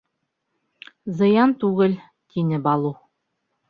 — Зыян түгел, — тине Балу.